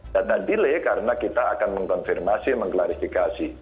data delay karena kita akan mengkonfirmasi mengklarifikasi